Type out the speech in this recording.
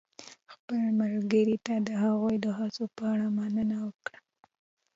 خپل ملګري ته د هغوی د هڅو په اړه مننه وکړه.